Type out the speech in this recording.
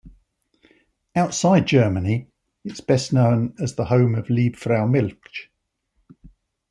Outside Germany, it is best known as the home of Liebfraumilch.